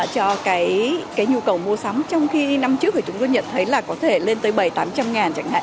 cho cái nhu cầu mua sắm trong khi năm trước chúng tôi nhận thấy là có thể lên tới bảy trăm linh tám trăm linh chẳng hạn